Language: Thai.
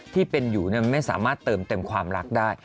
ที่เป็นอยู่ไม่สามารถเติมเต็มความรักได้